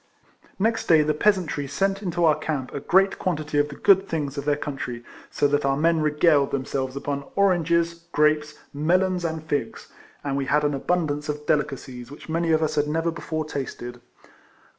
Next day the peasantry sent into our camp a great quantity of the good things of their country, so that our men regaled themselves upon oranges, grapes, melons, and figs, and we had an abundance of de licacies which many of us had never before tasted.